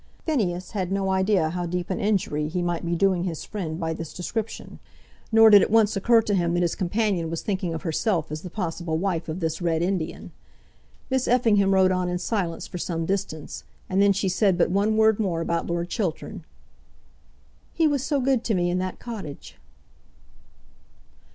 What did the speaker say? Phineas had no idea how deep an injury he might be doing his friend by this description, nor did it once occur to him that his companion was thinking of herself as the possible wife of this Red Indian. Miss Effingham rode on in silence for some distance, and then she said but one word more about Lord Chiltern. "He was so good to me in that cottage."